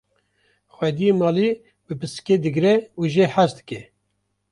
xwediyê malê bi pisikê digre û jê hez dike